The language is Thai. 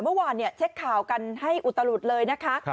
เมื่อวานเช็คข่าวกันให้อุตลุดเลยนะคะ